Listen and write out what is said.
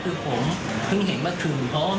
แต่ถ้าเขาติดต่อได้นี่ก็คือเขาไม่แจ้งความหลอก